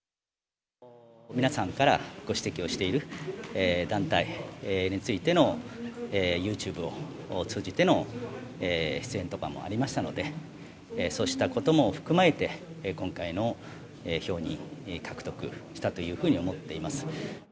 皆さんからご指摘をしている団体についてのユーチューブを通じての出演とかもありましたので、そうしたことも踏まえて、今回の票を獲得したというふうに思っています。